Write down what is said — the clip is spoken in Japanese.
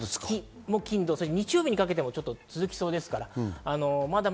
金、土と日曜日にかけても続きそうです。